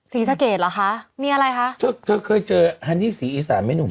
ศรีสะเกดเหรอคะมีอะไรคะเธอเธอเคยเจอฮันนี่ศรีอีสานไหมหนุ่ม